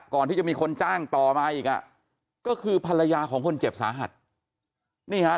ก่อนที่จะมีคนจ้างต่อมาอีกอ่ะก็คือภรรยาของคนเจ็บสาหัสนี่ฮะ